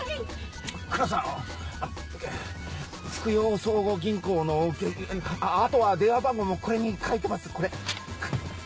黒さん福洋相互銀行のあとは電話番号もこれに書いてます。